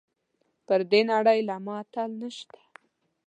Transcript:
پر دې نړۍ له ما اتل نشته .